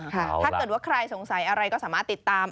ถ้าเกิดว่าใครสงสัยอะไรก็สามารถติดตาม